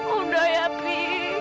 udah ya bi